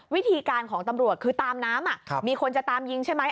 วิธีการของตำรวจคือตามน้ำมีคนจะตามยิงใช่ไหม